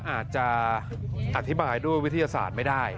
อาจจะอธิบายด้วยวิทยาศาสตร์ไม่ได้